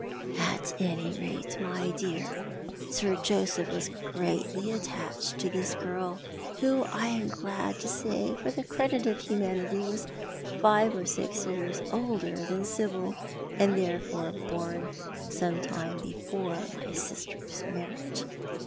" At any rate, ray dear. Sir Joseph was greatly attached to this girl, who, I am glad to say, for the credit of humanity, was five or six years older than Sibyl, and was therefore born some time before my sister's marriage.